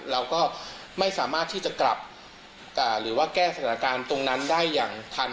เราก็ไม่สามารถที่จะกลับหรือว่าแก้สถานการณ์ตรงนั้นได้อย่างทัน